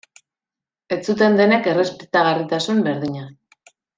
Ez zuten denek errespetagarritasun berdina.